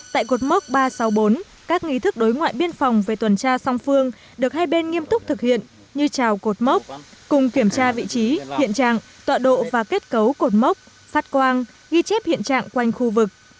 tại cột mốc ba trăm sáu mươi bốn các nghi thức đối ngoại biên phòng về tuần tra song phương được hai bên nghiêm túc thực hiện như trào cột mốc cùng kiểm tra vị trí hiện trạng tọa độ và kết cấu cột mốc phát quang ghi chép hiện trạng quanh khu vực